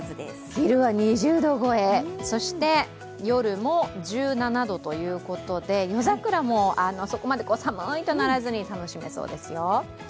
昼は２０度超え、そして夜も１７度ということで、夜桜もそこまで寒いとならずに楽しめそうですよ。